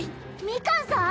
ミカンさん！？